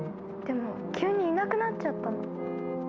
でも急にいなくなっちゃったの。